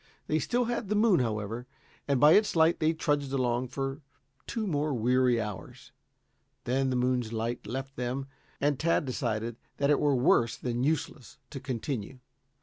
They still had the moon, however, and by its light they trudged along for two more weary hours. Then the moon's light left them and Tad decided that it were worse than useless to continue.